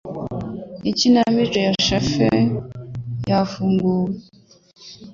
Ikinamico ya Sheffield yafunguwe